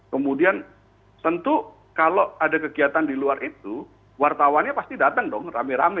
kemudian tentu kalau ada kegiatan di luar itu wartawannya pasti datang dong rame rame